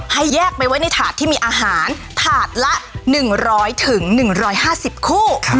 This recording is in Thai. ให้แยกไปไว้ในถาดที่มีอาหารถาดละ๑๐๐๑๕๐คู่